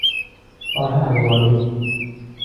راه الواری